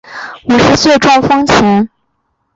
五十岁时中风前